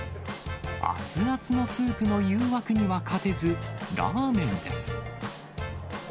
熱々のスープの誘惑には勝てず、ラーメンです。